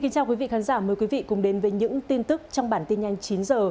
chào mừng quý vị đến với bản tin nhanh chín h